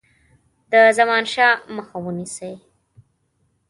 د زمانشاه مخه ونیسي.